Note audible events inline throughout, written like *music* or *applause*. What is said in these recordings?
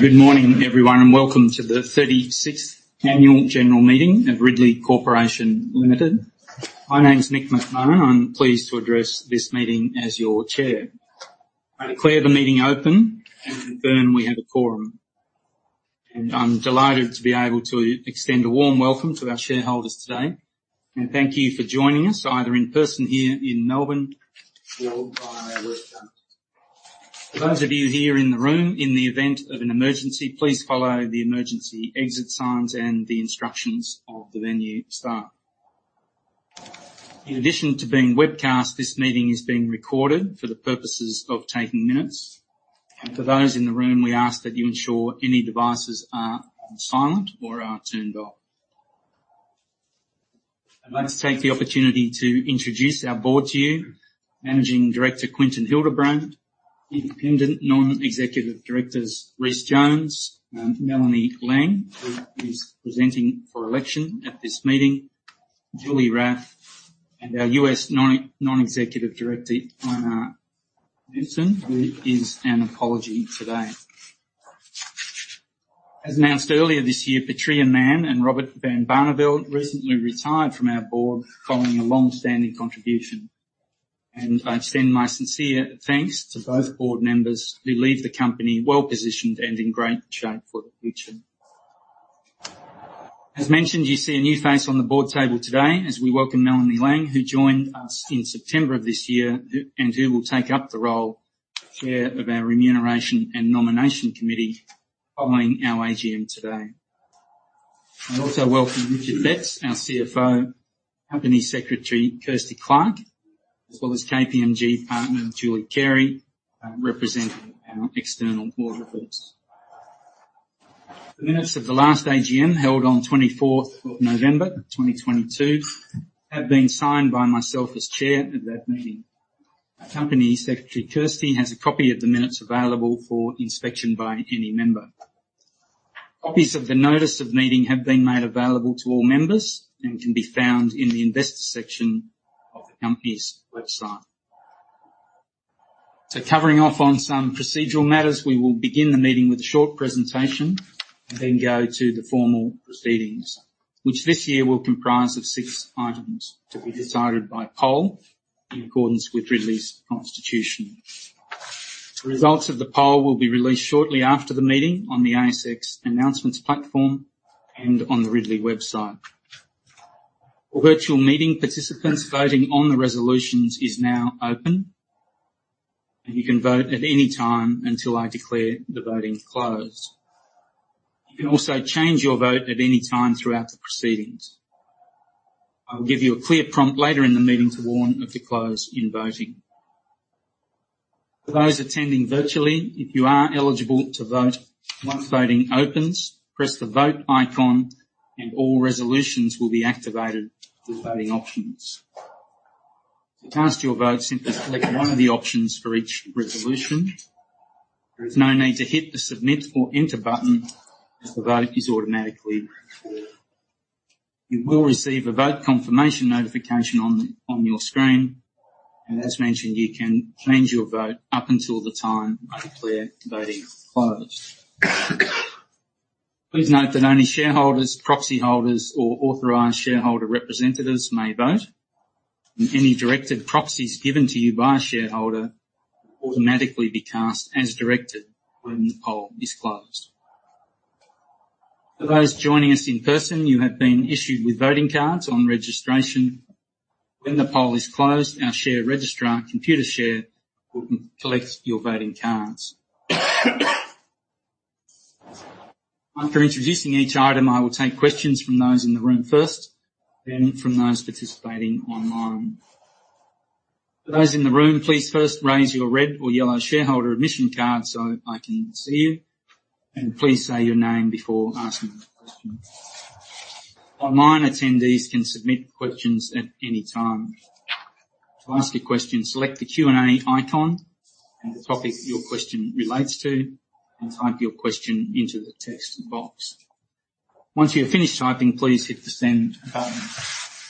Good morning, everyone, and welcome to the 36th Annual General Meeting of Ridley Corporation Limited. My name's Mick McMahon. I'm pleased to address this meeting as your Chair. I declare the meeting open and confirm we have a quorum. I'm delighted to be able to extend a warm welcome to our shareholders today, and thank you for joining us, either in person here in Melbourne or by webcast. For those of you here in the room, in the event of an emergency, please follow the emergency exit signs and the instructions of the venue staff. In addition to being webcast, this meeting is being recorded for the purposes of taking minutes. For those in the room, we ask that you ensure any devices are on silent or are turned off. I'd like to take the opportunity to introduce our board to you. Managing Director, Quinton Hildebrand, independent non-executive directors, Rhys Jones and Melanie Laing, who is presenting for election at this meeting, Julie Raffe, and our U.S. non-executive director, Ejnar Knudsen, who is an apology today. As announced earlier this year, Patria Mann and Robert van Barneveld recently retired from our board following a long-standing contribution, and I extend my sincere thanks to both board members who leave the company well-positioned and in great shape for the future. As mentioned, you see a new face on the board table today as we welcome Melanie Laing, who joined us in September of this year, and who will take up the role, Chair of our Remuneration and Nomination Committee, following our AGM today. I also welcome Richard Betts, our CFO, Company Secretary, Kirsty Clarke, as well as KPMG partner, Julie Cleary, representing our external audit reports. The minutes of the last AGM, held on 24th of November, 2022, have been signed by myself as Chair at that meeting. Our Company Secretary, Kirsty, has a copy of the minutes available for inspection by any member. Copies of the notice of meeting have been made available to all members and can be found in the investors section of the company's website. So covering off on some procedural matters, we will begin the meeting with a short presentation and then go to the formal proceedings, which this year will comprise of six items to be decided by poll in accordance with Ridley's constitution. The results of the poll will be released shortly after the meeting on the ASX announcements platform and on the Ridley website. For virtual meeting, participants voting on the resolutions is now open, and you can vote at any time until I declare the voting closed. You can also change your vote at any time throughout the proceedings. I will give you a clear prompt later in the meeting to warn of the close in voting. For those attending virtually, if you are eligible to vote, once voting opens, press the Vote icon and all resolutions will be activated with voting options. To cast your vote, simply select one of the options for each resolution. There is no need to hit the Submit or Enter button, as the vote is automatically recorded. You will receive a vote confirmation notification on your screen, and as mentioned, you can change your vote up until the time I declare voting closed. Please note that only shareholders, proxy holders or authorized shareholder representatives may vote, and any directed proxies given to you by a shareholder will automatically be cast as directed when the poll is closed. For those joining us in person, you have been issued with voting cards on registration. When the poll is closed, our share registrar, Computershare, will collect your voting cards. After introducing each item, I will take questions from those in the room first, then from those participating online. For those in the room, please first raise your red or yellow shareholder admission card so I can see you, and please say your name before asking a question. Online attendees can submit questions at any time. To ask a question, select the Q&A icon and the topic your question relates to, and type your question into the text box. Once you have finished typing, please hit the Send button.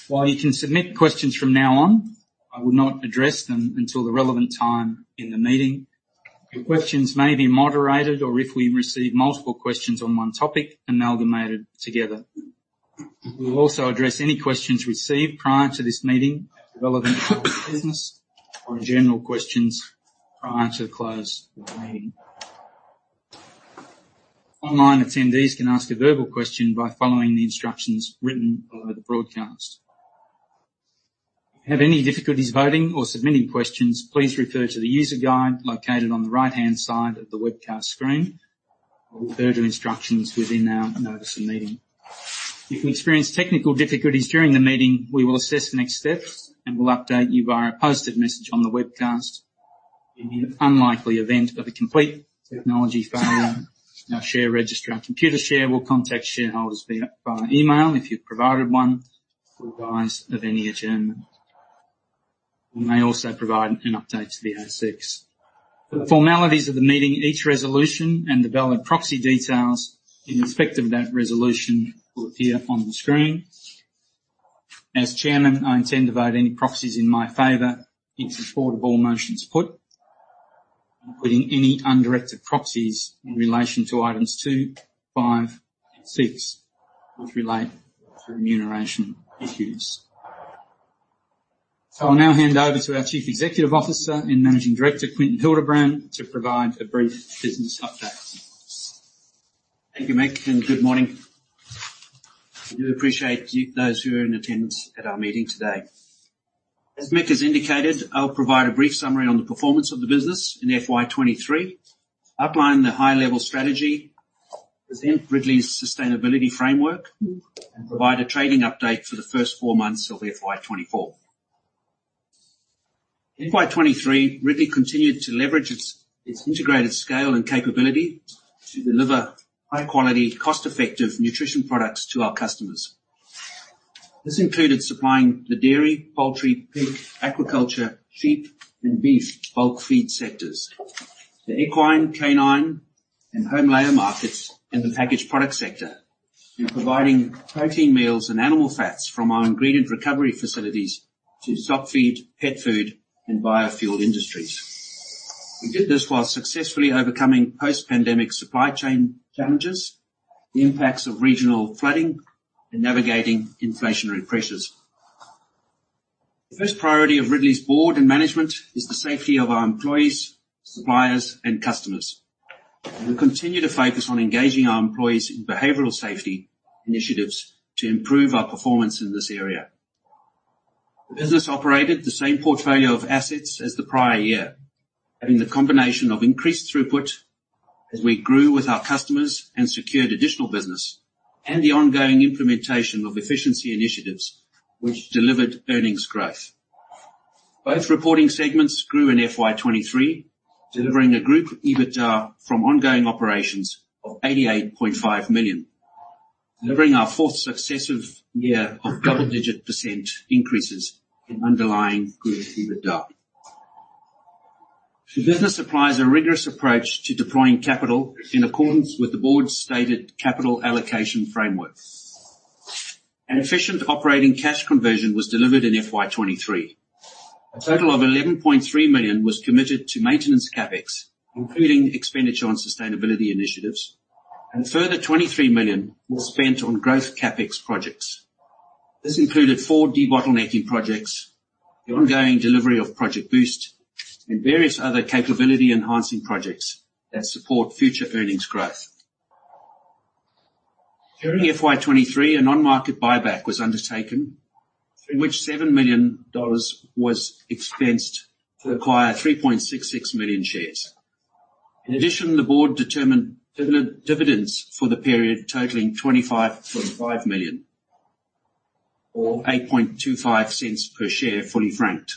While you can submit questions from now on, I will not address them until the relevant time in the meeting. Your questions may be moderated or, if we receive multiple questions on one topic, amalgamated together. We'll also address any questions received prior to this meeting relevant to our business or general questions prior to the close of the meeting. Online attendees can ask a verbal question by following the instructions written below the broadcast. If you have any difficulties voting or submitting questions, please refer to the user guide located on the right-hand side of the webcast screen or refer to instructions within our notice of meeting. If you experience technical difficulties during the meeting, we will assess the next steps, and we'll update you via a posted message on the webcast. In the unlikely event of a complete technology failure, our share registrar, Computershare, will contact shareholders via email, if you've provided one, for advice of any adjournment. We may also provide an update to the ASX. For the formalities of the meeting, each resolution and the valid proxy details in respect of that resolution will appear on the screen. As chairman, I intend to vote any proxies in my favor in support of all motions put, including any undirected proxies in relation to items two, five, and six, which relate to remuneration issues. So I'll now hand over to our Chief Executive Officer and Managing Director, Quinton Hildebrand, to provide a brief business update. Thank you, Mick, and good morning. We do appreciate you, those who are in attendance at our meeting today. As Mick has indicated, I'll provide a brief summary on the performance of the business in FY 2023, outline the high-level strategy, present Ridley's sustainability framework, and provide a trading update for the first four months of FY 2024. In FY 2023, Ridley continued to leverage its integrated scale and capability to deliver high quality, cost-effective nutrition products to our customers. This included supplying the dairy, poultry, pig, aquaculture, sheep, and beef bulk feed sectors, the equine, canine, and home layer markets, and the packaged product sector. We're providing protein meals and animal fats from our ingredient recovery facilities to stock feed, pet food, and biofuel industries. We did this while successfully overcoming post-pandemic supply chain challenges, the impacts of regional flooding, and navigating inflationary pressures. The first priority of Ridley's board and management is the safety of our employees, suppliers, and customers. We continue to focus on engaging our employees in behavioral safety initiatives to improve our performance in this area. The business operated the same portfolio of assets as the prior year, having the combination of increased throughput as we grew with our customers and secured additional business, and the ongoing implementation of efficiency initiatives, which delivered earnings growth. Both reporting segments grew in FY 2023, delivering a group EBITDA from ongoing operations of 88.5 million, delivering our fourth successive year of double-digit percent increases in underlying group EBITDA. The business applies a rigorous approach to deploying capital in accordance with the board's stated capital allocation framework. An efficient operating cash conversion was delivered in FY 2023. A total of 11.3 million was committed to maintenance CapEx, including expenditure on sustainability initiatives, and a further 23 million was spent on growth CapEx projects. This included four debottlenecking projects, the ongoing delivery of Project Boost, and various other capability-enhancing projects that support future earnings growth. During FY 2023, an on-market buyback was undertaken, in which 7 million dollars was expensed to acquire 3.66 million shares. In addition, the board determined dividends for the period totaling 25.5 million or 8.25 per share, fully franked.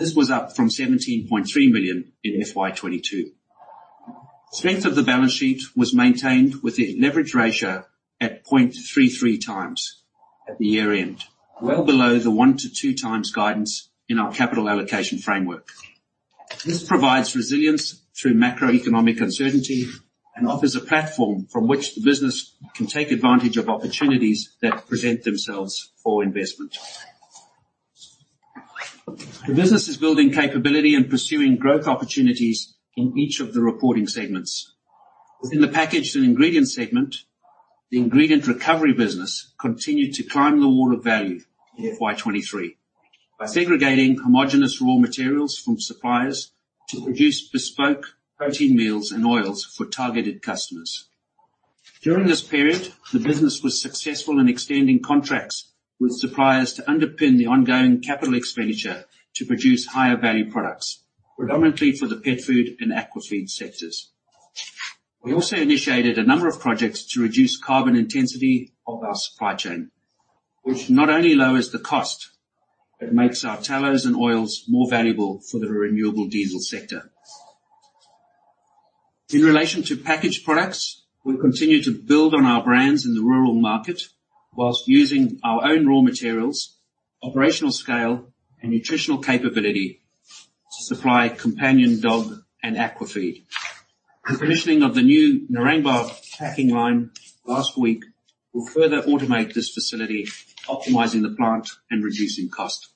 This was up from 17.3 million in FY 2022. Strength of the balance sheet was maintained, with the leverage ratio at 0.33x at the year-end, well below the 1-2x guidance in our capital allocation framework. This provides resilience through macroeconomic uncertainty and offers a platform from which the business can take advantage of opportunities that present themselves for investment. The business is building capability and pursuing growth opportunities in each of the reporting segments. Within the packaged and ingredient segment, the ingredient recovery business continued to climb the wall of value in FY 2023 by segregating homogeneous raw materials from suppliers to produce bespoke protein meals and oils for targeted customers. During this period, the business was successful in extending contracts with suppliers to underpin the ongoing capital expenditure to produce higher value products, predominantly for the pet food and aqua feed sectors. We also initiated a number of projects to reduce carbon intensity of our supply chain, which not only lowers the cost, but makes our tallows and oils more valuable for the renewable diesel sector. In relation to packaged products, we continue to build on our brands in the rural market whilst using our own raw materials, operational scale, and nutritional capability to supply companion, dog, and aqua feed. The commissioning of the new Narangba packing line last week will further automate this facility, optimizing the plant and reducing cost.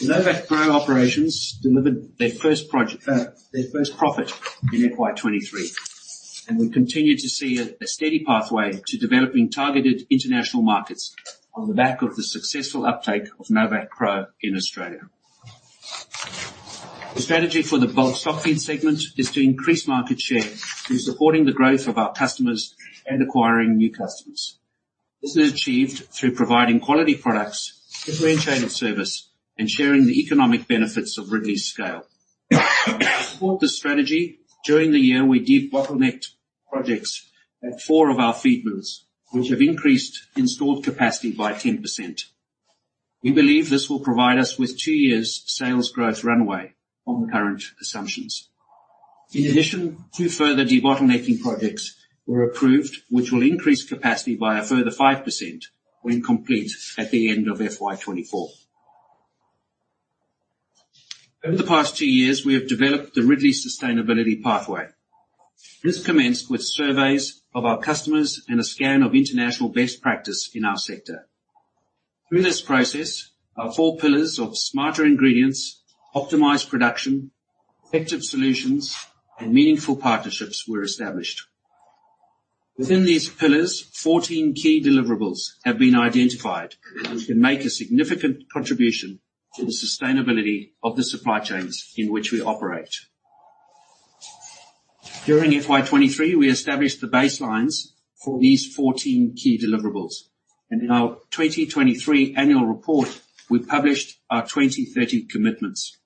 The NovaqPro operations delivered their first profit in FY 2023, and we continue to see a steady pathway to developing targeted international markets on the back of the successful uptake of NovaqPro in Australia. The strategy for the bulk stock feed segment is to increase market share through supporting the growth of our customers and acquiring new customers. This is achieved through providing quality products, differentiated service, and sharing the economic benefits of Ridley's scale. To support this strategy, during the year, we debottlenecked projects at four of our feed mills, which have increased installed capacity by 10%. We believe this will provide us with two years' sales growth runway on the current assumptions. In addition, two further debottlenecking projects were approved, which will increase capacity by a further 5% when complete at the end of FY 2024. Over the past two years, we have developed the Ridley Sustainability Pathway. This commenced with surveys of our customers and a scan of international best practice in our sector. Through this process, our four pillars of smarter ingredients, optimized production, effective solutions, and meaningful partnerships were established. Within these pillars, 14 key deliverables have been identified, which can make a significant contribution to the sustainability of the supply chains in which we operate. During FY 2023, we established the baselines for these 14 key deliverables, and in our 2023 annual report, we published our 2030 commitments.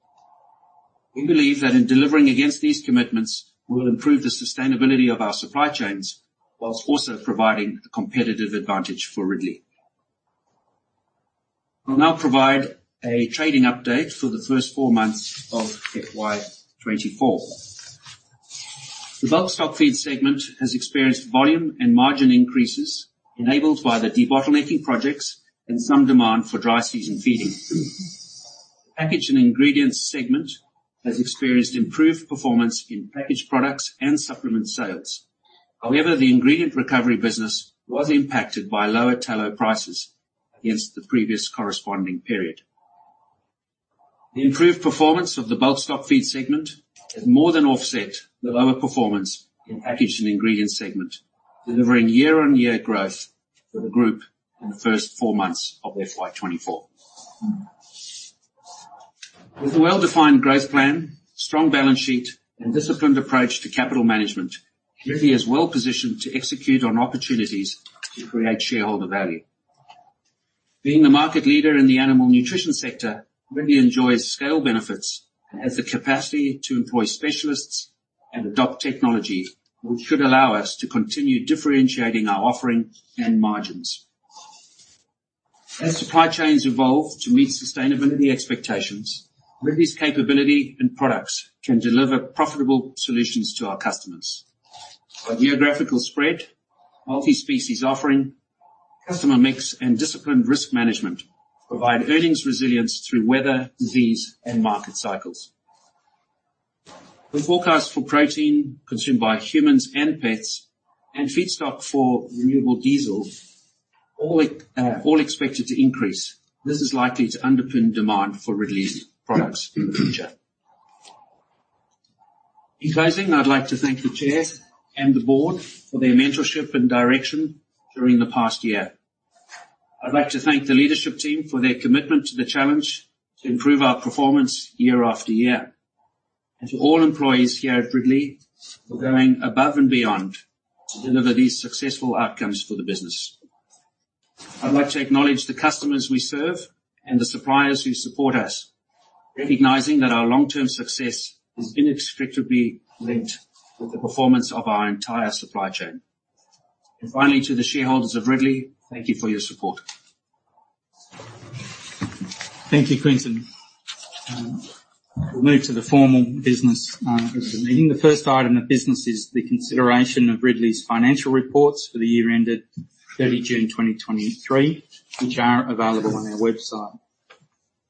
We believe that in delivering against these commitments, we'll improve the sustainability of our supply chains, while also providing a competitive advantage for Ridley. I'll now provide a trading update for the first four months of FY 2024. The bulk stock feed segment has experienced volume and margin increases enabled by the debottlenecking projects and some demand for dry season feeding. The packaged and ingredients segment has experienced improved performance in packaged products and supplement sales. However, the ingredient recovery business was impacted by lower tallow prices against the previous corresponding period. The improved performance of the bulk stock feed segment has more than offset the lower performance in packaged and ingredient segment, delivering year-on-year growth for the group in the first four months of FY 2024. With a well-defined growth plan, strong balance sheet, and disciplined approach to capital management, Ridley is well positioned to execute on opportunities to create shareholder value. Being the market leader in the animal nutrition sector, Ridley enjoys scale benefits and has the capacity to employ specialists and adopt technology, which should allow us to continue differentiating our offering and margins. As supply chains evolve to meet sustainability expectations, Ridley's capability and products can deliver profitable solutions to our customers. Our geographical spread, multi-species offering, customer mix, and disciplined risk management provide earnings resilience through weather, disease, and market cycles. We forecast for protein consumed by humans and pets and feedstock for renewable diesel, all expected to increase. This is likely to underpin demand for Ridley's products in the future. In closing, I'd like to thank the Chair and the Board for their mentorship and direction during the past year. I'd like to thank the leadership team for their commitment to the challenge to improve our performance year after year, and to all employees here at Ridley for going above and beyond to deliver these successful outcomes for the business. I'd like to acknowledge the customers we serve and the suppliers who support us, recognizing that our long-term success is inextricably linked with the performance of our entire supply chain. And finally, to the shareholders of Ridley, thank you for your support. Thank you, Quinton. We'll move to the formal business of the meeting. The first item of business is the consideration of Ridley's financial reports for the year ended 30 June 2023, which are available on our website.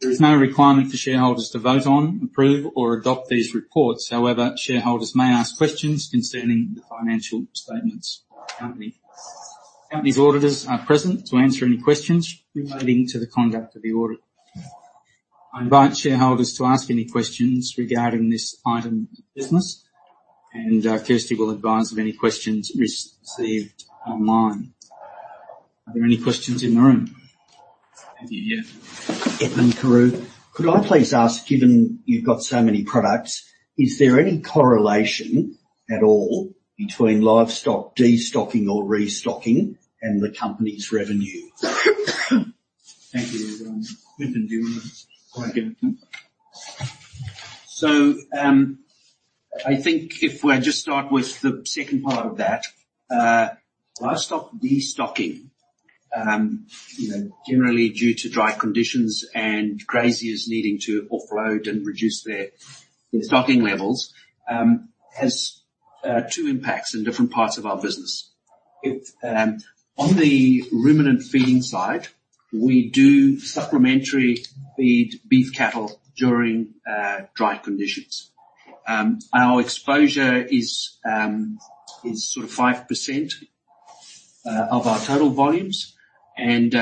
There is no requirement for shareholders to vote on, approve, or adopt these reports. However, shareholders may ask questions concerning the financial statements of the company. The company's auditors are present to answer any questions relating to the conduct of the audit. I invite shareholders to ask any questions regarding this item of business, and, Kirsty will advise of any questions received online. Are there any questions in the room? Yeah. Edmund Carew. Could I please ask, given you've got so many products, is there any correlation at all between livestock destocking or restocking and the company's revenue? Thank you. *audio distortion* So, I think if we're just start with the second part of that, livestock destocking, you know, generally due to dry conditions and graziers needing to offload and reduce their stocking levels, has two impacts in different parts of our business. It... On the ruminant feeding side, we do supplementary feed beef cattle during dry conditions. Our exposure is sort of 5% of our total volumes, and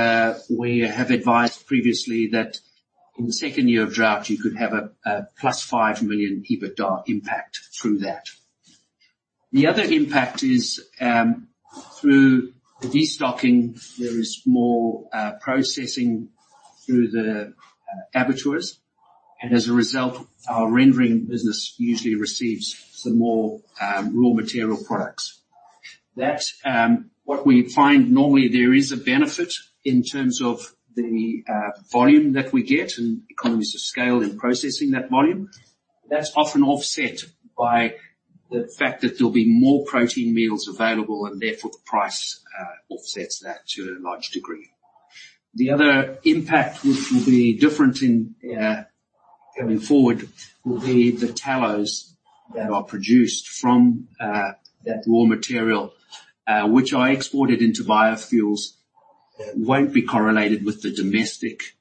we have advised previously that in the second year of drought, you could have a +5 million EBITDA impact through that. The other impact is through the destocking, there is more processing through the abattoirs, and as a result, our rendering business usually receives some more raw material products. That... What we find normally, there is a benefit in terms of the volume that we get and economies of scale in processing that volume. That's often offset by the fact that there'll be more protein meals available, and therefore, the price offsets that to a large degree. The other impact, which will be different going forward, will be the tallows that are produced from that raw material, which are exported into biofuels won't be correlated with the domestic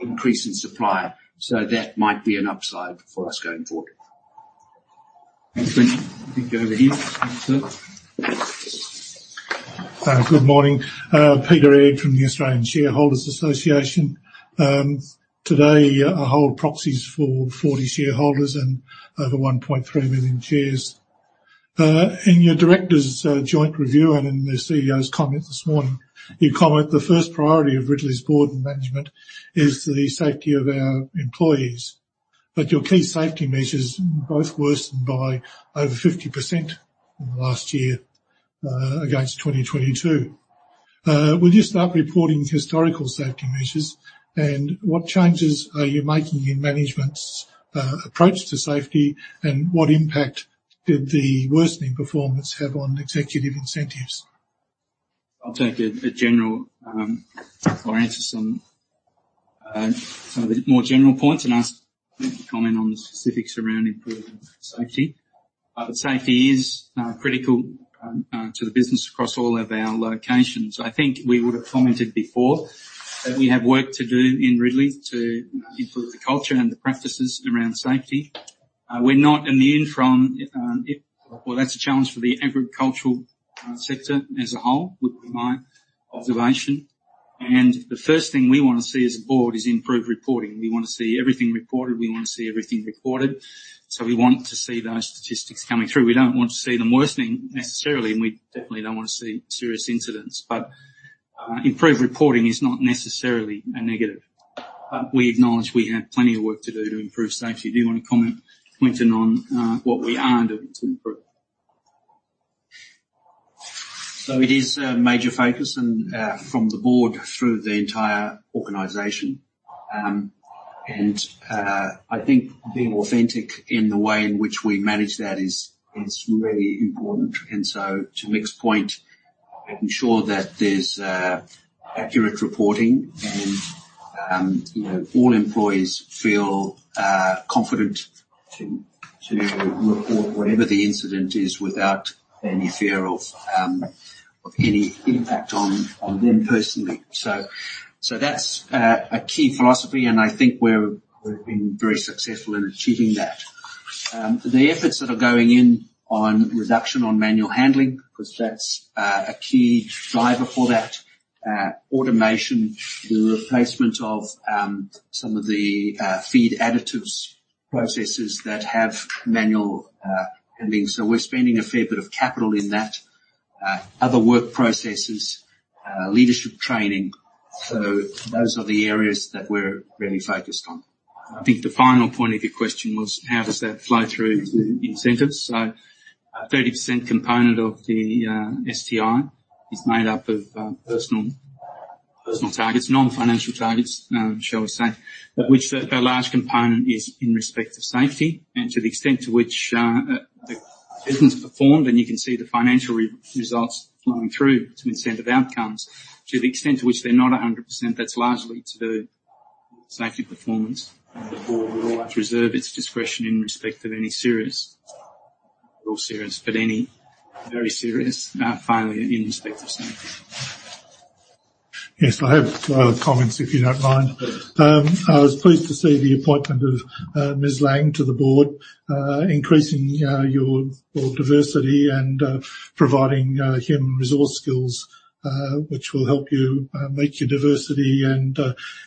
increase in supply, so that might be an upside for us going forward. Thanks, Quinton. I think over here. Next, sir. Good morning. Peter Aird from the Australian Shareholders Association. Today, I hold proxies for 40 shareholders and over 1.3 million shares. In your directors' joint review and in the CEO's comment this morning, you comment, "The first priority of Ridley's board and management is the safety of our employees." But your key safety measures both worsened by over 50% in the last year, against 2022. Will you start reporting historical safety measures, and what changes are you making in management's approach to safety, and what impact did the worsening performance have on executive incentives? I'll take a general. I'll answer some of the more general points and ask Mick to comment on the specifics around improving safety. But safety is critical to the business across all of our locations. I think we would have commented before that we have work to do in Ridley to improve the culture and the practices around safety. We're not immune from... Well, that's a challenge for the agricultural sector as a whole, would be my observation. And the first thing we want to see as a board is improved reporting. We want to see everything reported. We want to see everything recorded, so we want to see those statistics coming through. We don't want to see them worsening necessarily, and we definitely don't want to see serious incidents. But, improved reporting is not necessarily a negative, but we acknowledge we have plenty of work to do to improve safety. Do you want to comment, Quinton, on what we are doing to improve? So it is a major focus and, from the board through the entire organization. And I think being authentic in the way in which we manage that is really important. And so to Mick's point, making sure that there's accurate reporting and, you know, all employees feel confident to report whatever the incident is without any fear of any impact on them personally. So that's a key philosophy, and I think we've been very successful in achieving that. The efforts that are going in on reduction on manual handling, because that's a key driver for that, automation, the replacement of some of the feed additives processes that have manual handling. So we're spending a fair bit of capital in that. Other work processes, leadership training, so those are the areas that we're really focused on. I think the final point of your question was how does that flow through to incentives? So a 30% component of the STI is made up of personal targets, non-financial targets, shall we say, but which a large component is in respect to safety and to the extent to which the business performed. And you can see the financial results flowing through to incentive outcomes. To the extent to which they're not 100%, that's largely to do with safety performance, and the board will always reserve its discretion in respect of any serious, but any very serious, failure in respect to safety. Yes, I have comments, if you don't mind. I was pleased to see the appointment of Ms. Laing to the board, increasing your board diversity and providing human resource skills, which will help you meet your diversity and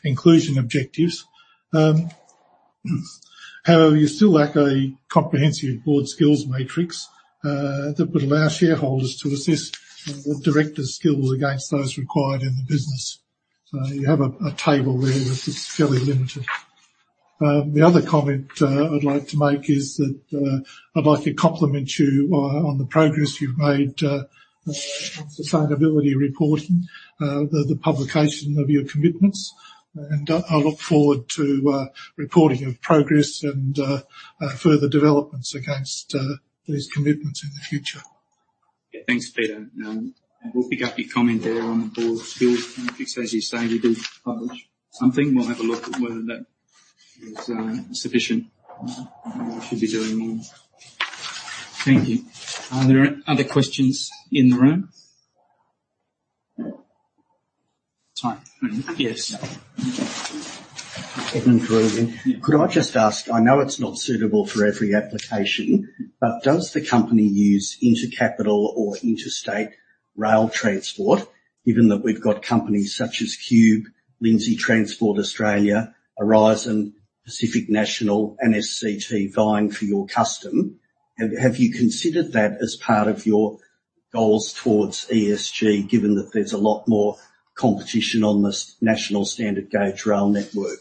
inclusion objectives. However, you still lack a comprehensive board skills matrix that would allow shareholders to assess the directors' skills against those required in the business. So you have a table there that's fairly limited. The other comment I'd like to make is that I'd like to compliment you on the progress you've made on sustainability reporting, the publication of your commitments, and I look forward to reporting of progress and further developments against these commitments in the future. Yeah. Thanks, Peter. We'll pick up your comment there on the board skills matrix. As you say, we did publish something. We'll have a look at whether that is sufficient, or we should be doing more. Thank you. Are there any other questions in the room? Sorry. Yes. Edmund Carew. Could I just ask: I know it's not suitable for every application, but does the company use intercapital or interstate rail transport, given that we've got companies such as Qube, Lindsay Transport Australia, Aurizon, Pacific National, and SCT vying for your custom? Have you considered that as part of your goals towards ESG, given that there's a lot more competition on this national standard gauge rail network?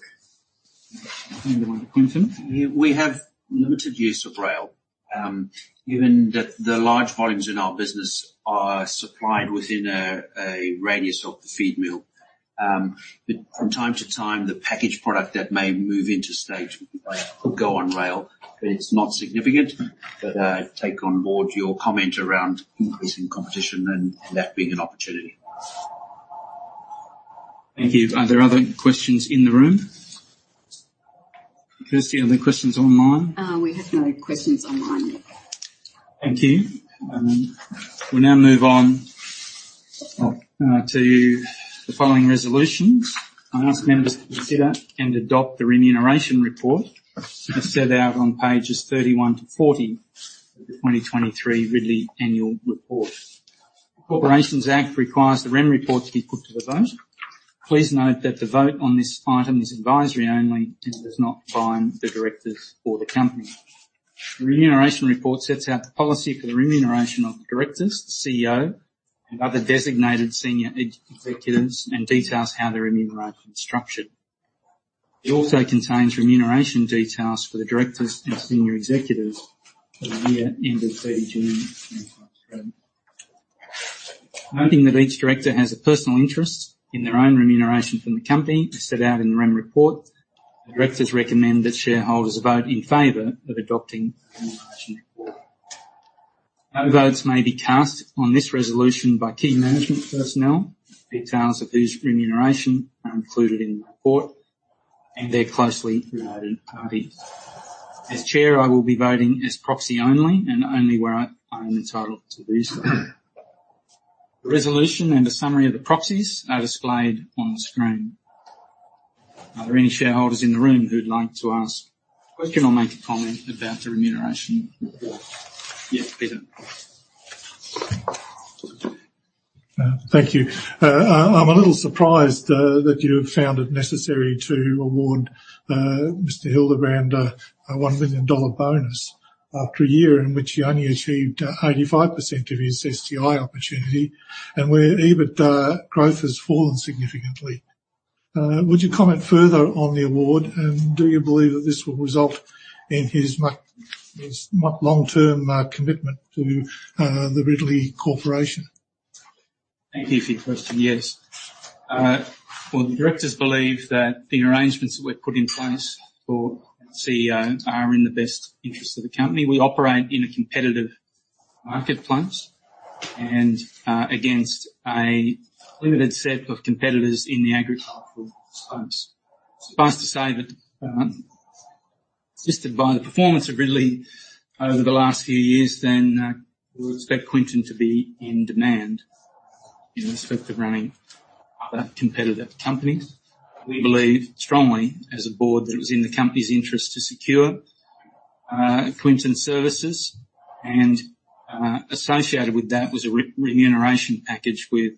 You want Quinton? We have limited use of rail, given that the large volumes in our business are supplied within a radius of the feed mill. But from time to time, the packaged product that may move interstate would go on rail, but it's not significant. But I take on board your comment around increasing competition and that being an opportunity. Thank you. Are there other questions in the room? Kirsty, are there questions online? We have no questions online. Thank you. We'll now move on to the following resolutions. I ask members to consider and adopt the Remuneration Report as set out on pages 31 to 40 of the 2023 Ridley Annual Report. The Corporations Act requires the REM Report to be put to the vote. Please note that the vote on this item is advisory only and does not bind the directors or the company. The Remuneration Report sets out the policy for the remuneration of the directors, the CEO, and other designated senior executives, and details how their remuneration is structured. It also contains remuneration details for the directors and senior executives for the year ended 30 June. Noting that each director has a personal interest in their own remuneration from the company, as set out in the Rem Report, the directors recommend that shareholders vote in favor of adopting the Remuneration Report. No votes may be cast on this resolution by key management personnel, details of whose remuneration are included in the report and their closely related parties. As Chair, I will be voting as proxy only, and only where I own the title to the shares. The resolution and a summary of the proxies are displayed on the screen. Are there any shareholders in the room who'd like to ask a question or make a question or make a comment about the Remuneration Report? Yes, Peter. Thank you. I'm a little surprised that you have found it necessary to award Mr. Hildebrand a 1 million dollar bonus after a year in which he only achieved 85% of his STI opportunity and where EBIT growth has fallen significantly. Would you comment further on the award, and do you believe that this will result in his much, his much long-term commitment to the Ridley Corporation? Thank you for your question. Yes. Well, the directors believe that the arrangements that we've put in place for our CEO are in the best interest of the company. We operate in a competitive marketplace and against a limited set of competitors in the agricultural space. Suffice to say that, assisted by the performance of Ridley over the last few years, then we would expect Quinton to be in demand in respect of running other competitive companies. We believe strongly as a board, that it was in the company's interest to secure Quinton's services, and associated with that was a remuneration package with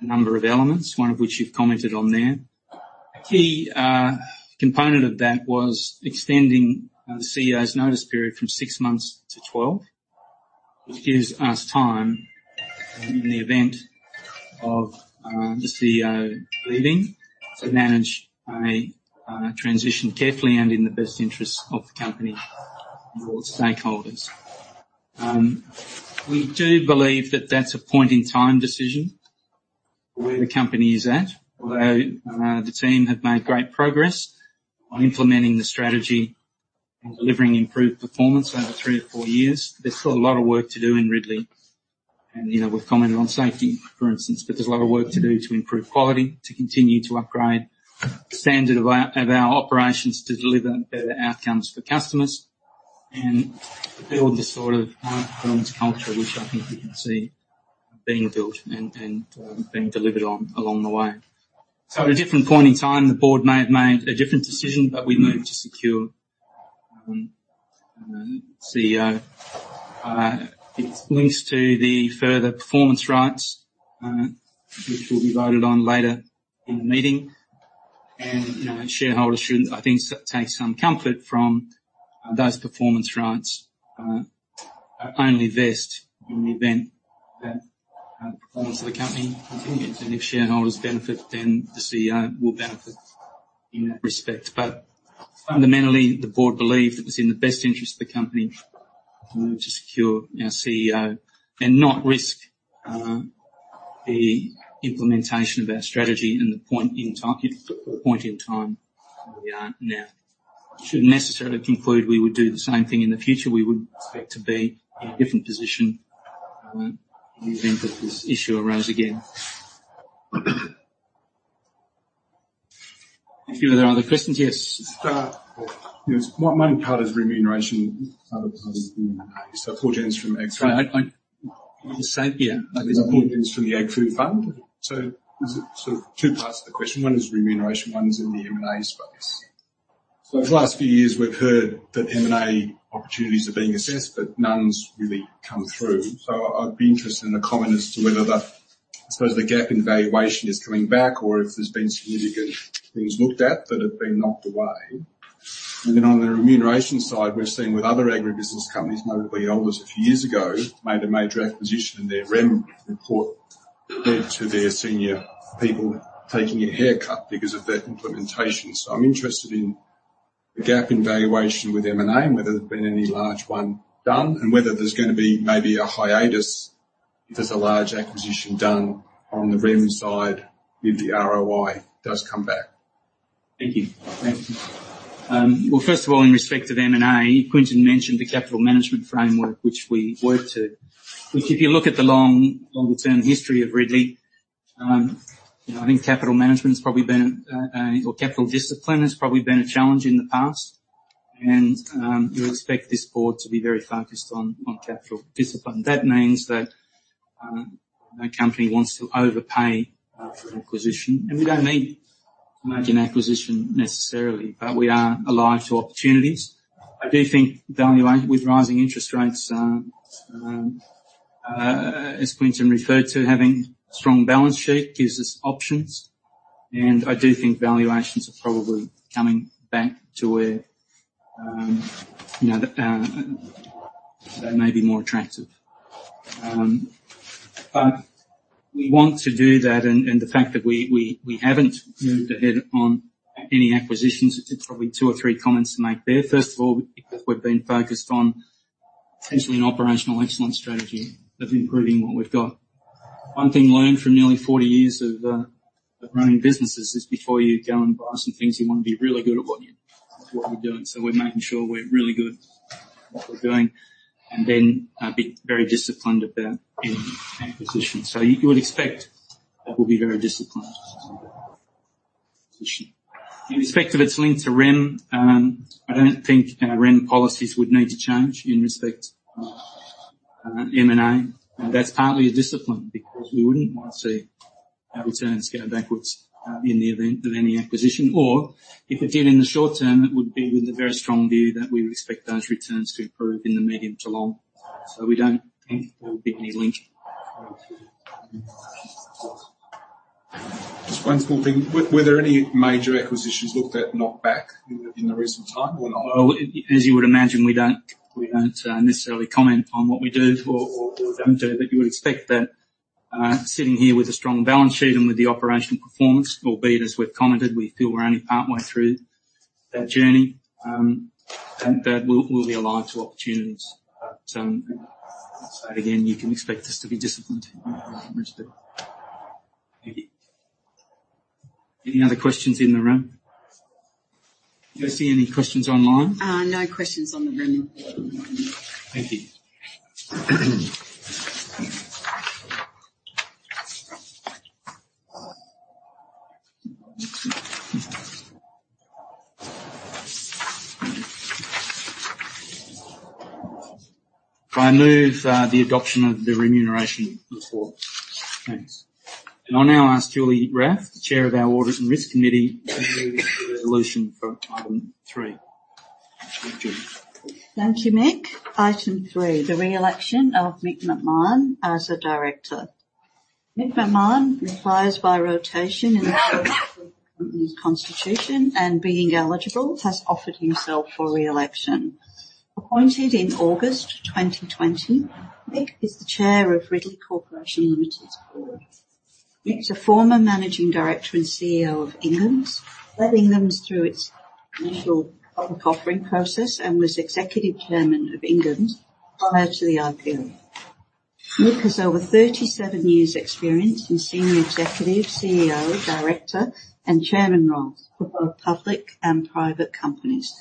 a number of elements, one of which you've commented on there. A key component of that was extending the CEO's notice period from six months to 12, which gives us time in the event of the CEO leaving, to manage a transition carefully and in the best interest of the company and all its stakeholders. We do believe that that's a point-in-time decision for where the company is at. Although the team have made great progress on implementing the strategy and delivering improved performance over three to four years, there's still a lot of work to do in Ridley. You know, we've commented on safety, for instance, but there's a lot of work to do to improve quality, to continue to upgrade the standard of our operations, to deliver better outcomes for customers, and to build the sort of performance culture which I think we can see being built and being delivered on along the way. So at a different point in time, the board may have made a different decision, but we moved to secure the CEO. It links to the further performance rights which will be voted on later in the meeting. You know, shareholders should, I think, take some comfort from those performance rights only vest in the event that the performance of the company continues. If shareholders benefit, then the CEO will benefit in that respect. But fundamentally, the board believed it was in the best interest of the company to secure our CEO and not risk the implementation of our strategy and the point in time, the point in time where we are now. You shouldn't necessarily conclude we would do the same thing in the future. We would expect to be in a different position in the event that this issue arose again. Thank you. Are there other questions? Yes. Yes. One part is remuneration. *audio distortion* The same? Yeah. *audio distortion* So there's sort of two parts to the question: One is remuneration, one is in the M&A space. So the last few years, we've heard that M&A opportunities are being assessed, but none's really come through. So I'd be interested in the comment as to whether the, I suppose, the gap in valuation is coming back or if there's been significant things looked at that have been knocked away. And then on the remuneration side, we've seen with other agribusiness companies, notably Elders a few years ago, made a major acquisition, and their REM Report led to their senior people taking a haircut because of that implementation. I'm interested in the gap in valuation with M&A and whether there's been any large one done, and whether there's gonna be maybe a hiatus if there's a large acquisition done on the REM side, if the ROI does come back. Thank you. Thank you. Well, first of all, in respect to the M&A, Quinton mentioned the capital management framework, which we work to. Which if you look at the long, longer-term history of Ridley, you know, I think capital management has probably been, or capital discipline has probably been a challenge in the past, and you expect this board to be very focused on, on capital discipline. That means that, no company wants to overpay for an acquisition, and we don't need to make an acquisition necessarily, but we are alive to opportunities. I do think valuation with rising interest rates, as Quinton referred to, having a strong balance sheet gives us options, and I do think valuations are probably coming back to where, you know, they may be more attractive. But we want to do that, and the fact that we haven't moved ahead on any acquisitions, there's probably two or three comments to make there. First of all, because we've been focused on essentially an operational excellence strategy of improving what we've got. One thing learned from nearly 40 years of running businesses is before you go and buy some things, you want to be really good at what you're doing. So we're making sure we're really good at what we're doing, and then, be very disciplined about any acquisitions. So you would expect that we'll be very disciplined. In respect of its link to REM, I don't think our REM policies would need to change in respect to M&A. That's partly a discipline, because we wouldn't want to see our returns go backwards, in the event of any acquisition. Or if it did in the short term, it would be with a very strong view that we would expect those returns to improve in the medium to long. We don't think there will be any link. Just one small thing. Were there any major acquisitions looked at and knocked back in the recent time or not? Well, as you would imagine, we don't, we don't necessarily comment on what we do or, or, or don't do. But you would expect that, sitting here with a strong balance sheet and with the operational performance, albeit, as we've commented, we feel we're only partway through that journey, that we'll, we'll be alive to opportunities. So again, you can expect us to be disciplined in that respect. Thank you. Any other questions in the room? Do you see any questions online? No questions on the room. Thank you. I move the adoption of the Remuneration Report. Thanks. I'll now ask Julie Raffe, the Chair of our Audit and Risk Committee, to move the resolution for Item three. Thank you. Thank you, Mick. Item three: the re-election of Mick McMahon as a director. Mick McMahon retires by rotation in accordance with the company's constitution, and being eligible, has offered himself for re-election. Appointed in August 2020, Mick is the Chair of Ridley Corporation Limited's board. Mick is a former Managing Director and CEO of Inghams, led Inghams through its initial public offering process, and was Executive Chairman of Inghams prior to the IPO. Mick has over 37 years' experience in senior executive, CEO, director, and chairman roles for both public and private companies.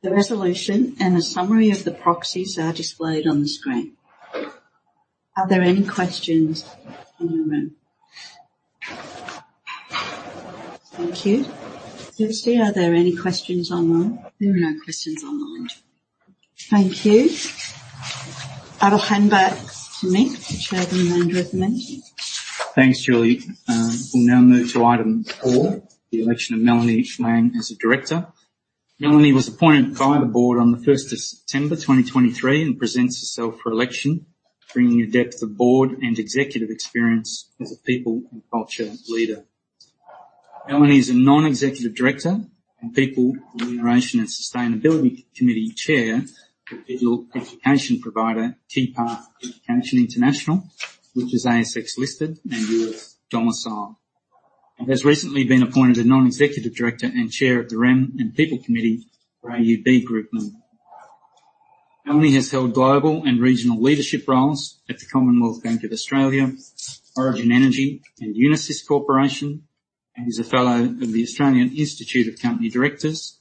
The resolution and a summary of the proxies are displayed on the screen. Are there any questions in the room? Thank you. Kirsty, are there any questions online? There are no questions online. Thank you. I will hand back to Mick, the Chairman and resident. Thanks, Julie. We'll now move to item four, the election of Melanie Laing as a director. Melanie was appointed by the board on the first of September 2023, and presents herself for election, bringing a depth of board and executive experience as a people and culture leader. Melanie is a Non-Executive Director and People, Remuneration, and Sustainability Committee Chair for digital education provider Keypath Education International, which is ASX-listed and U.S. domiciled, and has recently been appointed a non-executive director and chair of the REM and People Committee for AUB Group Limited. Melanie has held global and regional leadership roles at the Commonwealth Bank of Australia, Origin Energy, and Unisys Corporation, and is a fellow of the Australian Institute of Company Directors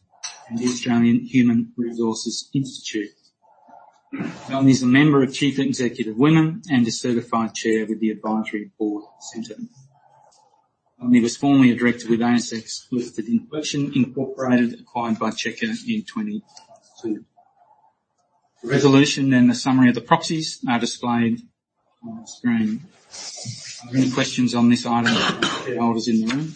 and the Australian Human Resources Institute. Melanie is a member of Chief Executive Women and a certified chair with the Advisory Board Center. Melanie was formerly a director with ASX-listed Inflection Inc, acquired by Checkr in 2022. The resolution and a summary of the proxies are displayed on the screen. Are there any questions on this item from the shareholders in the room?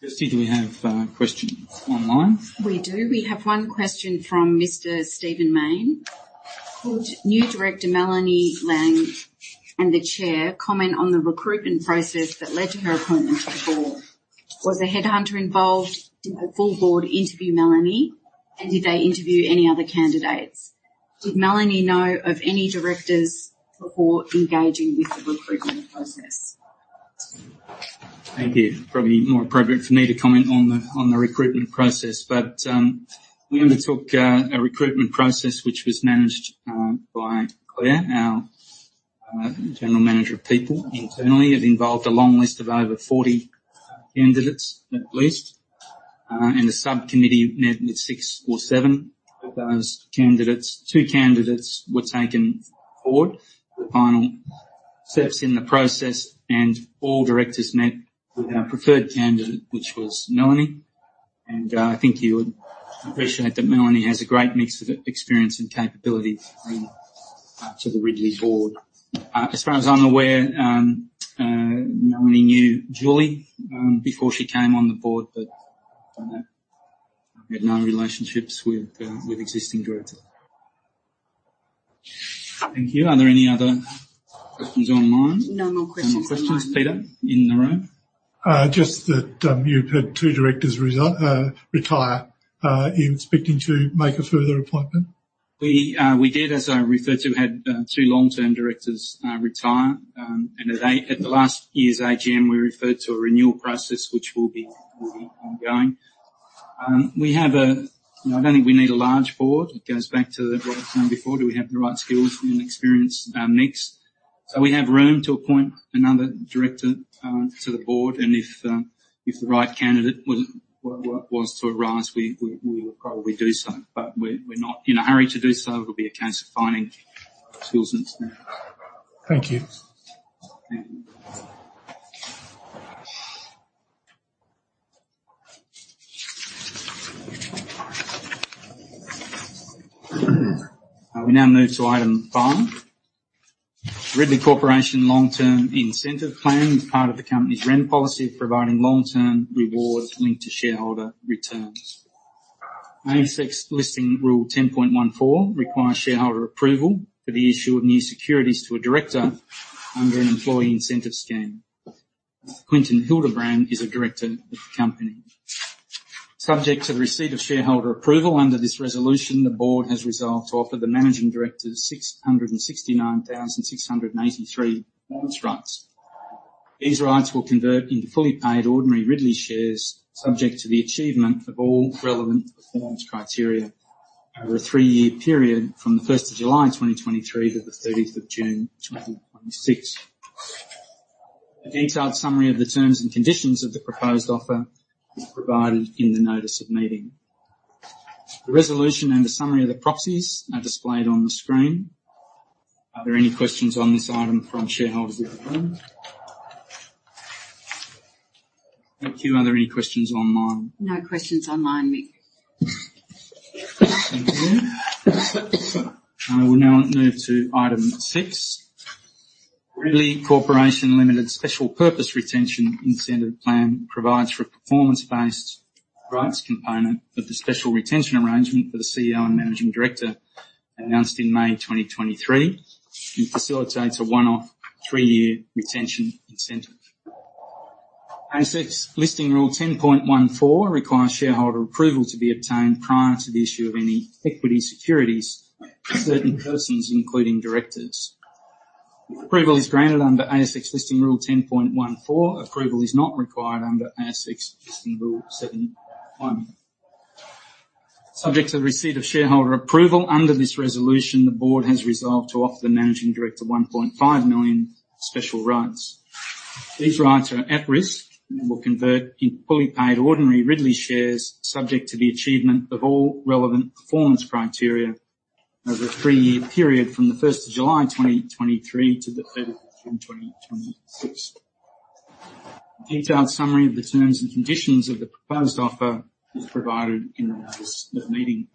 Kirsty, do we have questions online? We do. We have one question from Mr. Stephen Mayne: "Could new director Melanie Laing and the chair comment on the recruitment process that led to her appointment to the board? Was a headhunter involved? Did the full board interview Melanie, and did they interview any other candidates? Did Melanie know of any directors before engaging with the recruitment process? Thank you. Probably more appropriate for me to comment on the recruitment process, but we undertook a recruitment process which was managed by Claire, our general manager of people internally. It involved a long list of over 40 candidates, at least... The subcommittee met with six or seven of those candidates. Two candidates were taken forward for the final steps in the process, and all directors met with our preferred candidate, which was Melanie. I think you would appreciate that Melanie has a great mix of experience and capability to bring to the Ridley board. As far as I'm aware, Melanie knew Julie before she came on the board, but had no relationships with existing directors. Thank you. Are there any other questions online? No more questions online. Any more questions, Peter, in the room? Just that, you've had two directors retire. Are you expecting to make a further appointment? We did, as I referred to, had two long-term directors retire. At the last year's AGM, we referred to a renewal process which will be ongoing. We have a... I don't think we need a large board. It goes back to what I've said before, do we have the right skills and experience mix? So we have room to appoint another director to the board, and if the right candidate was to arise, we will probably do so. But we're not in a hurry to do so. It'll be a case of finding skills and experience. Thank you. Thank you. We now move to item five, Ridley Corporation Long Term Incentive Plan, as part of the company's REM policy of providing long-term rewards linked to shareholder returns. ASX Listing Rule 10.14 requires shareholder approval for the issue of new securities to a director under an employee incentive scheme. Quinton Hildebrand is a director of the company. Subject to the receipt of shareholder approval under this resolution, the board has resolved to offer the Managing Director 669,683 bonus rights. These rights will convert into fully paid ordinary Ridley shares, subject to the achievement of all relevant performance criteria over a three-year period from the first of July, 2023, to the 30th of June, 2026. A detailed summary of the terms and conditions of the proposed offer is provided in the notice of meeting. The resolution and the summary of the proxies are displayed on the screen. Are there any questions on this item from shareholders in the room? Thank you. Are there any questions online? No questions online, Mick. Thank you. I will now move to item six. Ridley Corporation Limited Special Purpose Retention Incentive Plan provides for a performance-based rights component of the special retention arrangement for the CEO and Managing Director, announced in May 2023, and facilitates a one-off three-year retention incentive. ASX Listing Rule 10.14 requires shareholder approval to be obtained prior to the issue of any equity securities to certain persons, including directors. If approval is granted under ASX Listing Rule 10.14, approval is not required under ASX Listing Rule 7.1. Subject to the receipt of shareholder approval under this resolution, the board has resolved to offer the Managing Director 1.5 million special rights. These rights are at risk and will convert in fully paid ordinary Ridley shares, subject to the achievement of all relevant performance criteria over a three-year period from July 1, 2023, to June 3, 2026. A detailed summary of the terms and conditions of the proposed offer is provided in the notice of meeting.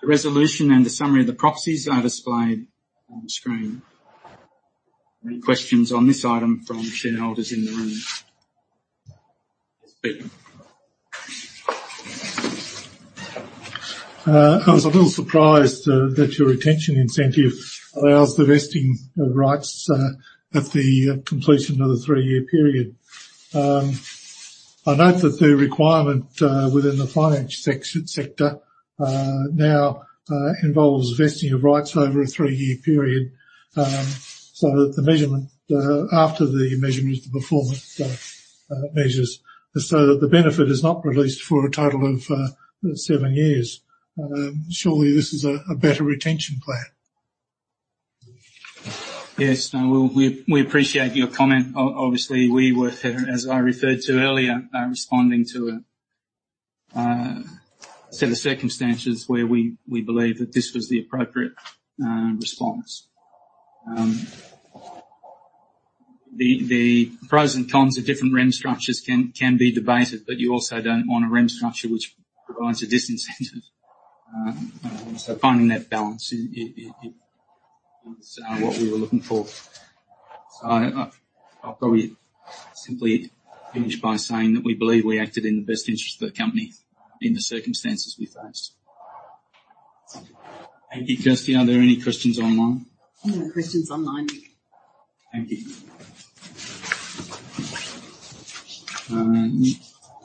The resolution and the summary of the proxies are displayed on the screen. Any questions on this item from shareholders in the room? Yes, Peter. I was a little surprised that your retention incentive allows the vesting of rights at the completion of the three-year period. I note that the requirement within the financial sector now involves vesting of rights over a three-year period, so that the measurement after the measurement of the performance measures so that the benefit is not released for a total of seven years. Surely this is a better retention plan? Yes. No, we appreciate your comment. Obviously, we were, as I referred to earlier, responding to a set of circumstances where we believed that this was the appropriate response. The pros and cons of different REM structures can be debated, but you also don't want a REM structure which provides a disincentive. So finding that balance is what we were looking for. So I'll probably simply finish by saying that we believe we acted in the best interest of the company in the circumstances we faced. Thank you. Kirsty, are there any questions online? No questions online. Thank you.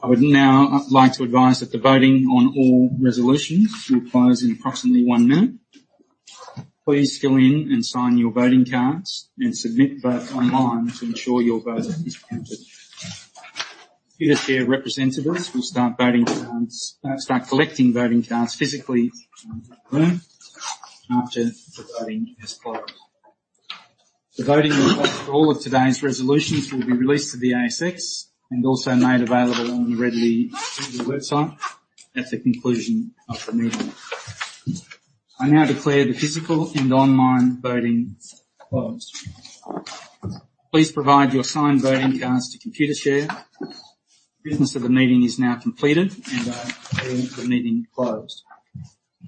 I would now like to advise that the voting on all resolutions will close in approximately one minute. Please fill in and sign your voting cards and submit vote online to ensure your vote is counted. Here, our share representatives will start collecting voting cards physically in the room after the voting has closed. The voting for all of today's resolutions will be released to the ASX and also made available on the Ridley website at the conclusion of the meeting. I now declare the physical and online voting closed. Please provide your signed voting cards to Computershare. Business of the meeting is now completed, and the meeting closed.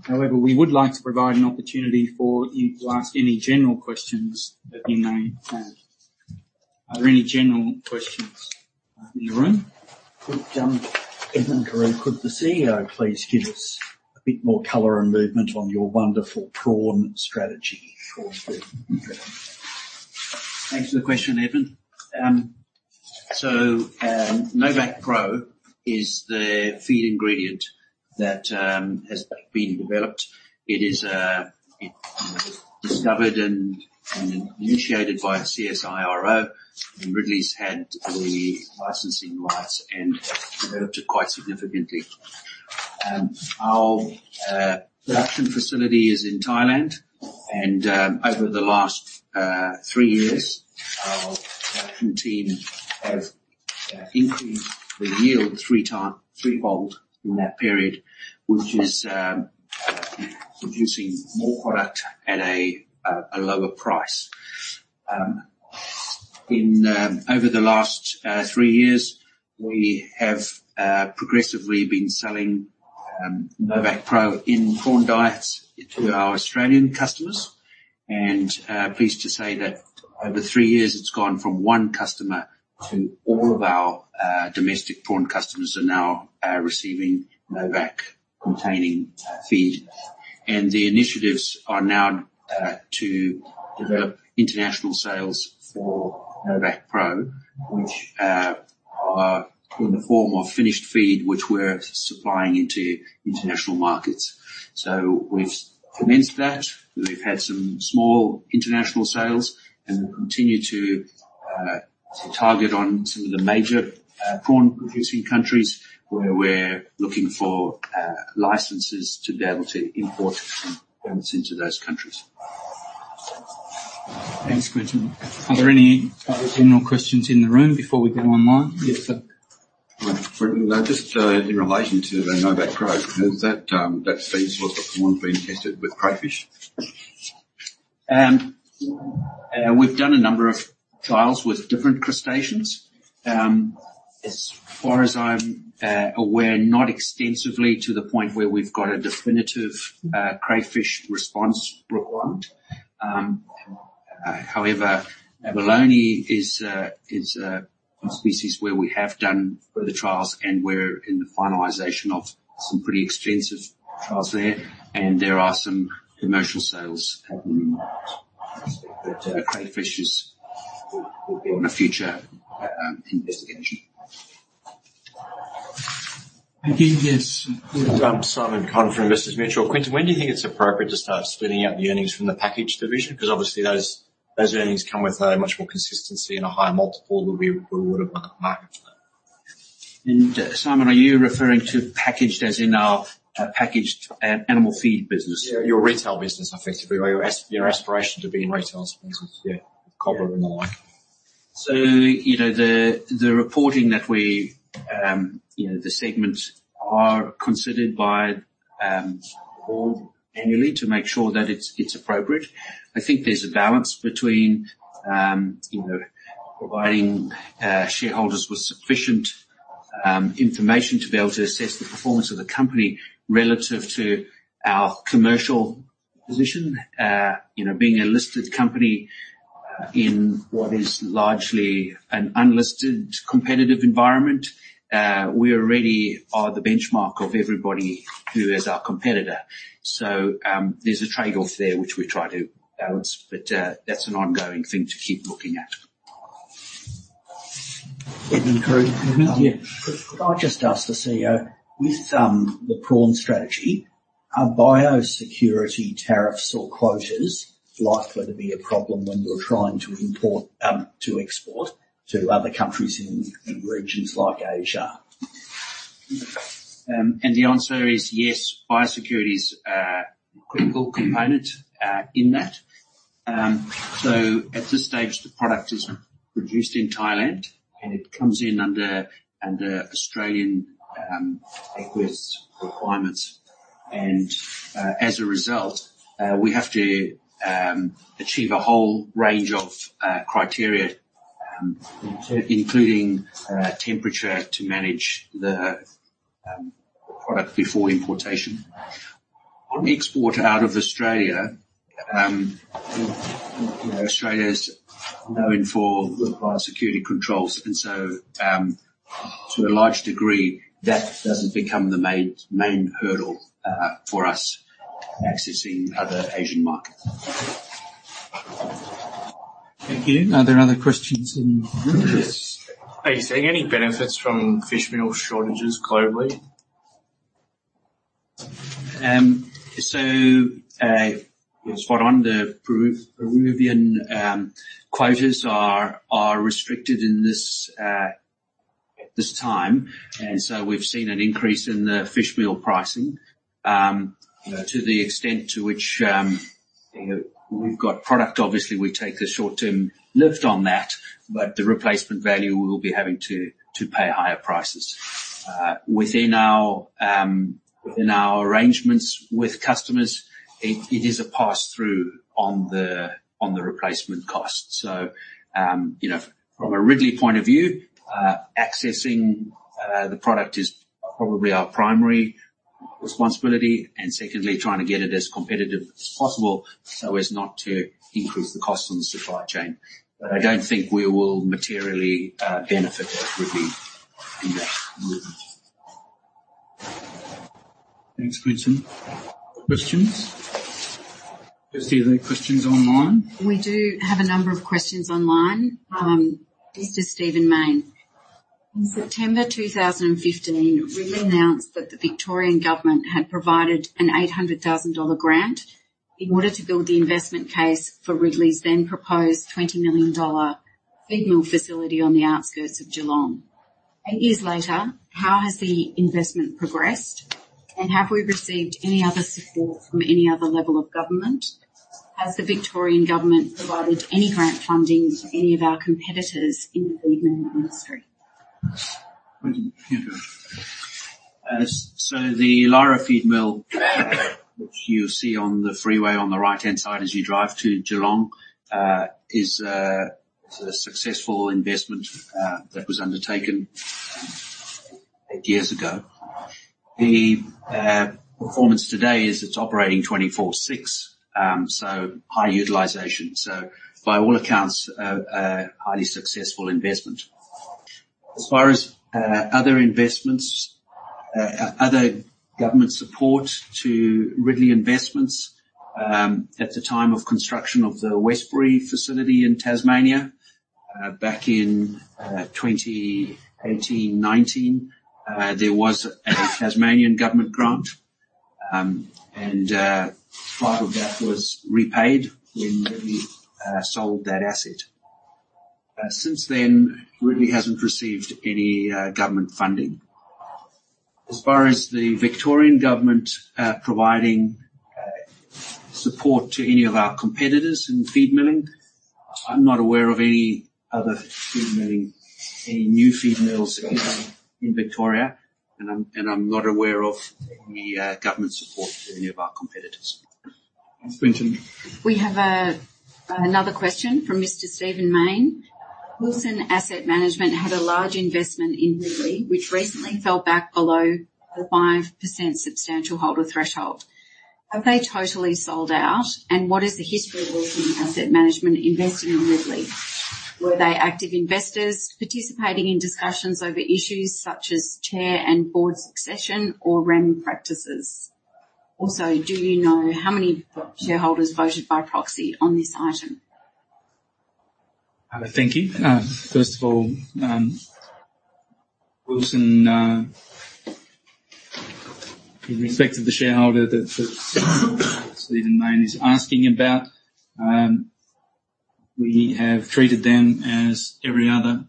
However, we would like to provide an opportunity for you to ask any general questions that you may have. Are there any general questions in the room? Quick, Edmund Carew. Could the CEO please give us a bit more color and movement on your wonderful prawn strategy for the- Thanks for the question, Edmund. So, NovaqPro is the feed ingredient that has been developed. It was discovered and initiated by CSIRO, and Ridley's had the licensing rights and developed it quite significantly. Our production facility is in Thailand, and over the last three years, our production team have increased the yield three times, threefold in that period, which is producing more product at a lower price. Over the last three years, we have progressively been selling NovaqPro in prawn diets to our Australian customers, and pleased to say that over three years it's gone from one customer to all of our domestic prawn customers are now receiving NovaqPro-containing feed. And the initiatives are now to develop international sales for NovaqPro, which are in the form of finished feed, which we're supplying into international markets. So we've commenced that. We've had some small international sales, and we'll continue to target on some of the major prawn-producing countries, where we're looking for licenses to be able to import prawns into those countries. Thanks, Quinton. Are there any other general questions in the room before we go online? Yes, sir. Just, in relation to the NovaqPro, has that, that feed source for prawn been tested with crayfish? We've done a number of trials with different crustaceans. As far as I'm aware, not extensively to the point where we've got a definitive crayfish response requirement. However, abalone is a species where we have done further trials, and we're in the finalization of some pretty extensive trials there, and there are some commercial sales happening. But crayfish will be on a future investigation. Thank you. Yes. Simon Conn from Investors Mutual. Quinton, when do you think it's appropriate to start splitting out the earnings from the packaged division? Because obviously those, those earnings come with much more consistency and a higher multiple than we, we would have on the market. Simon, are you referring to packaged, as in our packaged animal feed business? Yeah, your retail business, effectively, or your aspiration to be in retail spaces. Yeah, Cobber and the like. So, you know, the reporting that we, you know, the segments are considered by the board annually to make sure that it's appropriate. I think there's a balance between, you know, providing shareholders with sufficient information to be able to assess the performance of the company relative to our commercial position. You know, being a listed company, in what is largely an unlisted competitive environment, we already are the benchmark of everybody who is our competitor. So, there's a trade-off there, which we try to balance, but that's an ongoing thing to keep looking at. Edmund Carew. Yeah. Could I just ask the CEO, with the prawn strategy, are biosecurity tariffs or quotas likely to be a problem when you're trying to import to export to other countries in regions like Asia? And the answer is yes. Biosecurity is a critical component in that. So at this stage, the product is produced in Thailand, and it comes in under Australian aquaculture requirements. And as a result, we have to achieve a whole range of criteria, including temperature to manage the product before importation. On export out of Australia, you know, Australia is known for good biosecurity controls, and so to a large degree, that doesn't become the main hurdle for us accessing other Asian markets. Thank you. Are there other questions in the room? Yes. Are you seeing any benefits from fish meal shortages globally? So, you're spot on. The Peruvian quotas are restricted in this time, and so we've seen an increase in the fish meal pricing. You know, to the extent to which, you know, we've got product, obviously, we take the short-term lift on that, but the replacement value, we will be having to pay higher prices. Within our arrangements with customers, it is a pass-through on the replacement cost. You know, from a Ridley point of view, accessing the product is probably our primary responsibility, and secondly, trying to get it as competitive as possible so as not to increase the cost on the supply chain. But I don't think we will materially benefit as Ridley in that movement. Thanks, Quinton. Questions? Do you see any questions online? We do have a number of questions online. This is Stephen Mayne. "In September 2015, Ridley announced that the Victorian Government had provided an 800,000 dollar grant in order to build the investment case for Ridley's then proposed 20 million dollar feed mill facility on the outskirts of Geelong. Eight years later, how has the investment progressed, and have we received any other support from any other level of government? Has the Victorian Government provided any grant funding to any of our competitors in the feed mill industry? So the Lara feed mill, which you'll see on the freeway on the right-hand side as you drive to Geelong, is a successful investment that was undertaken eight years ago. The performance today is it's operating 24/6, so high utilization. So by all accounts, a highly successful investment. As far as other investments, other government support to Ridley investments, at the time of construction of the Westbury facility in Tasmania, back in 2018, 2019, there was a Tasmanian Government grant, and part of that was repaid when Ridley sold that asset. Since then, Ridley hasn't received any government funding. As far as the Victorian Government providing support to any of our competitors in feed milling, I'm not aware of any other feed milling... any new feed mills in Victoria, and I'm not aware of any government support to any of our competitors. Thanks, Quinton. We have another question from Mr. Stephen Mayne: "Wilson Asset Management had a large investment in Ridley, which recently fell back below the 5% substantial holder threshold. Have they totally sold out, and what is the history of Wilson Asset Management investing in Ridley? Were they active investors participating in discussions over issues such as chair and board succession or REM practices? Also, do you know how many shareholders voted by proxy on this item? Thank you. First of all, Wilson, in respect of the shareholder that Stephen Mayne is asking about, we have treated them as every other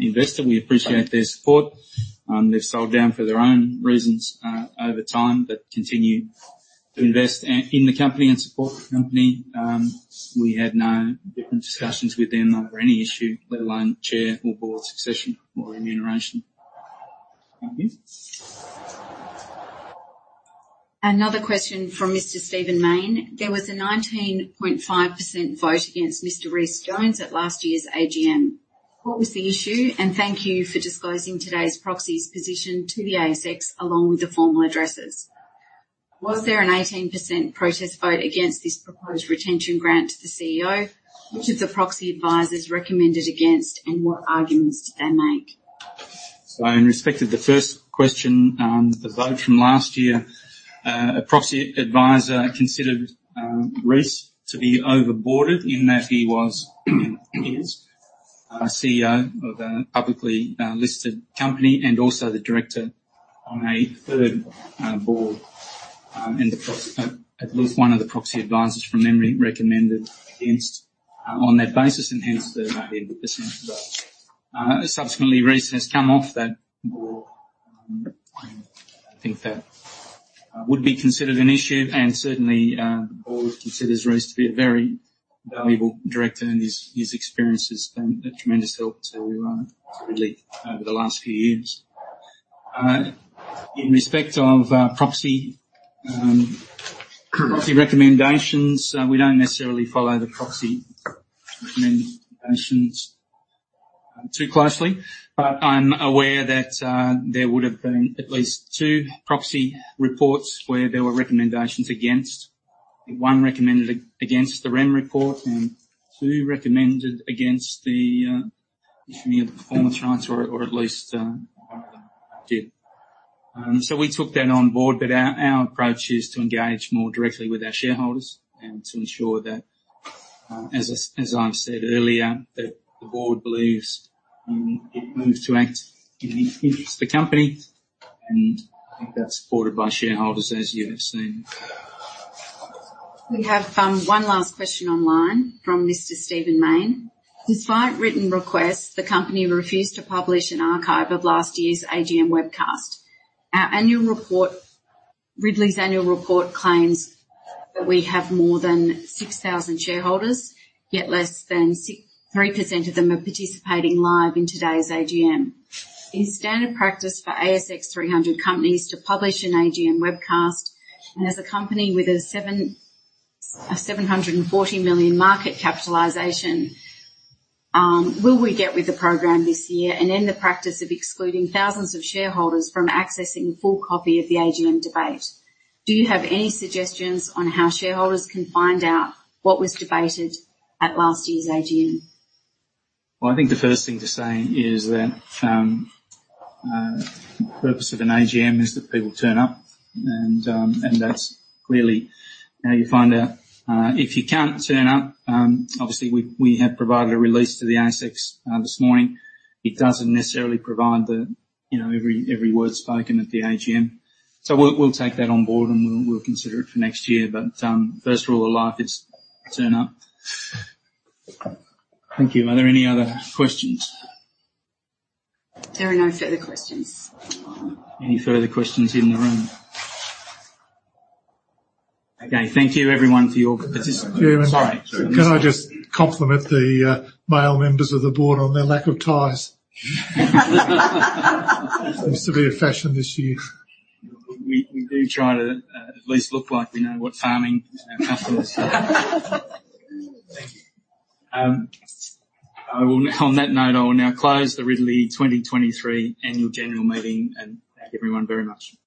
investor. We appreciate their support. They've sold down for their own reasons over time, but continue to invest in the company and support the company. We had no different discussions with them over any issue, let alone chair or board succession or remuneration. Thank you. Another question from Mr. Stephen Mayne: "There was a 19.5% vote against Mr. Rhys Jones at last year's AGM. What was the issue? And thank you for disclosing today's proxy's position to the ASX along with the formal addresses. Was there an 18% protest vote against this proposed retention grant to the CEO? Which of the proxy advisors recommended against, and what arguments did they make? So in respect of the first question, the vote from last year, a proxy advisor considered, Rhys to be over-boarded in that he was, and is a CEO of a publicly listed company and also the director on a third board, and at least one of the proxy advisors from memory recommended against, on that basis, and hence the 18% vote. Subsequently, Rhys has come off that board. I don't think that would be considered an issue, and certainly, the board considers Rhys to be a very valuable director, and his experience has been a tremendous help to Ridley over the last few years. In respect of proxy recommendations, we don't necessarily follow the proxy recommendations too closely, but I'm aware that there would have been at least two proxy reports where there were recommendations against. One recommended against the REM Report, and two recommended against the issuing of the performance rights or at least one of them did. So we took that on board, but our approach is to engage more directly with our shareholders and to ensure that, as I've said earlier, that the board believes in it moves to act in the interest of the company, and I think that's supported by shareholders, as you have seen.... We have one last question online from Mr. Stephen Mayne. Despite written requests, the company refused to publish an archive of last year's AGM webcast. Our annual report, Ridley's annual report claims that we have more than 6,000 shareholders, yet less than 3% of them are participating live in today's AGM. It's standard practice for ASX 300 companies to publish an AGM webcast, and as a company with a 740 million market capitalization, will we get with the program this year and end the practice of excluding thousands of shareholders from accessing a full copy of the AGM debate? Do you have any suggestions on how shareholders can find out what was debated at last year's AGM? Well, I think the first thing to say is that the purpose of an AGM is that people turn up, and that's clearly how you find out. If you can't turn up, obviously, we have provided a release to the ASX this morning. It doesn't necessarily provide the, you know, every word spoken at the AGM. So we'll take that on board, and we'll consider it for next year. But first rule of life is turn up. Thank you. Are there any other questions? There are no further questions. Any further questions in the room? Okay. Thank you, everyone, for your participation. Can I just compliment the male members of the board on their lack of ties? Seems to be a fashion this year. We do try to at least look like we know what farming our customers do. Thank you. I will now. On that note, I will now close the Ridley 2023 annual general meeting, and thank you everyone very much.